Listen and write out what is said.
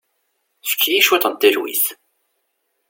Efk-iyi cwiṭ n talwit.